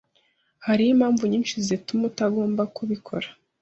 Hariho impamvu nyinshi zituma utagomba kubikora.